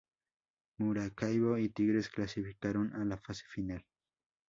Maracaibo y Tigres clasificaron a la fase final.